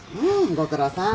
ご苦労さん。